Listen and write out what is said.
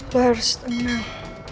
lo harus tenang